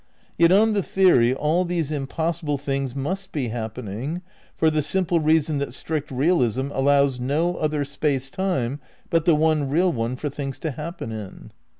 Yet on the theory all these impossible things must be happening, for the simple reason that strict realism allows no other Space Time but the one real one for things to happen in.